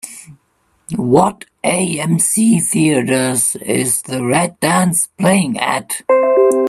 What AMC Theaters is The Red Dance playing at?